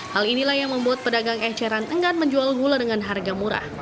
hal inilah yang membuat pedagang eceran enggan menjual gula dengan harga murah